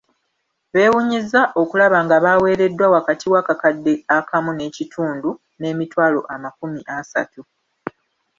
Beewunyizza okulaba nga baaweereddwa wakati w’akakadde akamu n’ekitundu n’emitwalo amakumi asatu.